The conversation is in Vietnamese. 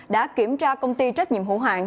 đã kiểm tra công ty trách nhiệm hữu hạn